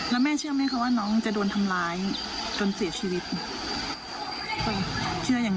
ดำเนินการยังไงค่ะทางเจ้าหน้าที่ที่เกี่ยวข้อง